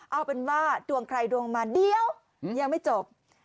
เอาเป็นว่าดวงใครดวงมาเดี๋ยวยังไม่จบ